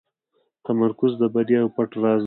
تمرکز د بریا یو پټ راز دی.